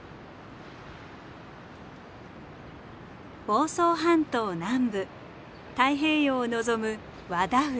房総半島南部太平洋を望む和田浦。